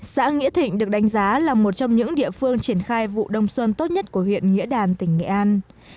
xã nghĩa thịnh được đánh giá là một trong những địa phương triển khai vụ đông xuân tốt nhất của huyện nghĩa đàn tỉnh nghệ an